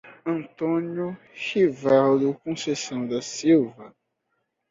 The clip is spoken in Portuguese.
Antônio Rivaldo Conceição da Silva